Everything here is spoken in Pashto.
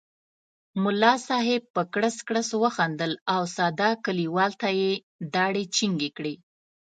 ملا صاحب په کړس کړس وخندل او ساده کلیوال ته یې داړې جینګې کړې.